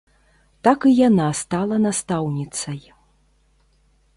Так і яна стала настаўніцай.